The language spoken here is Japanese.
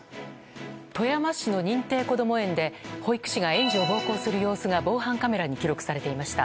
富山市の認定こども園で保育士が園児を暴行する様子が防犯カメラに記録されていました。